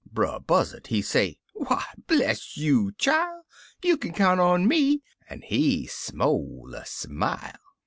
Brer Buzzard he say, "Why, bless you, chile 1 You kin count on me! " an' he smole a smile.